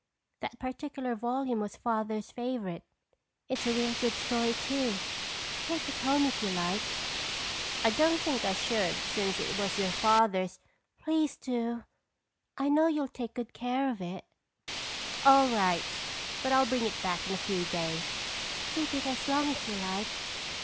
That particular volume was Father's favorite. It's a real good story too. Take it home if you like." "I don't think I should since it was your father's—" "Please do. I know you'll take good care of it." "All right, but I'll bring it back in a few days." "Keep it as long as you like."